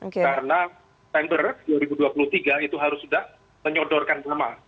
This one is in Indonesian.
karena september dua ribu dua puluh tiga itu harus sudah menyodorkan kemar